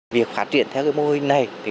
việc phát triển theo mô hình này